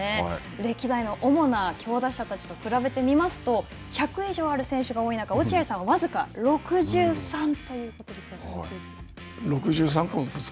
歴代の主な強打者たちと比べてみますと、１００以上ある選手が多い中、落合さんは僅か６３ということですが。